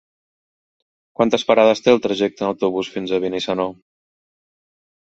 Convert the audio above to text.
Quantes parades té el trajecte en autobús fins a Benissanó?